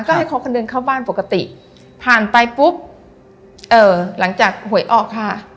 ก็ให้เขาคนเดินเข้าบ้านปกติผ่านไปปุ๊บเอ่อหลังจากหวยออกค่ะ